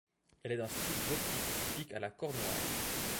Elle est d'un style gothique typique à la Cornouaille.